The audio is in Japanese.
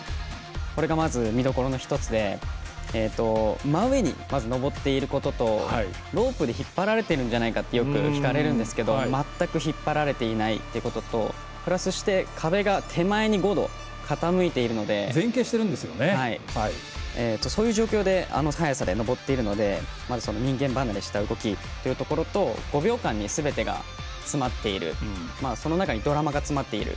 これが、まず見どころの一つで真上に、まず登っていることとロープで引っ張られているんじゃないかっていわれるんですが全く引っ張られていないということとプラスして壁が手前に５度、傾いているのでそういう状況であの速さで登っているのでまず人間離れした動きというところと５秒間に、すべてが詰まっているその中にドラマが詰まっている。